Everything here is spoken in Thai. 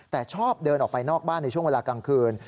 แต่ชอบเดินออกไปนอกบ้านในช่วงเวลากลางคืน